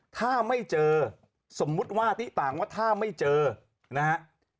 ถ้าไม่เจอสมมุติว่าที่ต่างว่าถ้าไม่เจอนะฮะ